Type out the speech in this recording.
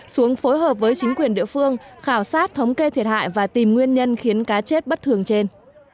xuống phối hợp với chính quyền địa phương khảo sát thống kê thiệt hại và tìm nguyên nhân khiến cá chết bất thường trên